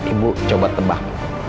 ibu coba tebak